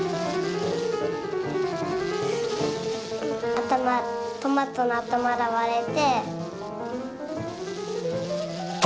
あたまトマトのあたまがわれて。